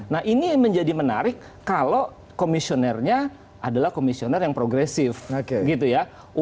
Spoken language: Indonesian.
nah ini menjadi menarik kalau komisionernya adalah komisioner yang progresif gitu ya